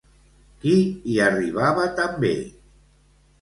Qui hi arribava també?